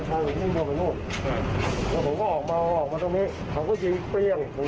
ก็ได้รู้สึกว่ามันกลายเป้าหมายและมันกลายเป้าหมาย